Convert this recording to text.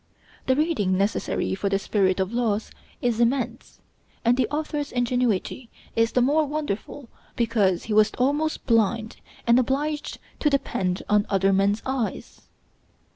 The reading necessary for the 'Spirit of Laws' is immense; and the author's ingenuity is the more wonderful because he was almost blind, and obliged to depend on other men's eyes.